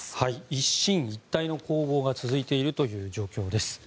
一進一退の攻防が続いている状況です。